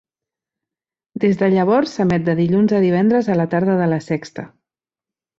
Des de llavors s'emet de dilluns a divendres a la tarda de La Sexta.